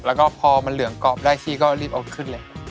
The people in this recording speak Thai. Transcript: แล้วก็พอมันเหลืองกรอบได้พี่ก็รีบเอาขึ้นเลย